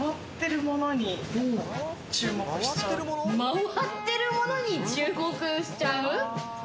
回ってるものに注目しちゃう。